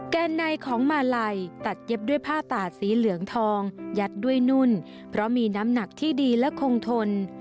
แกนในของมาลัยตัดเย็บด้วยผ้าตาดสีเหลืองทองยัดด้วยนุ่นเพราะมีน้ำหนักที่ดีและคงทน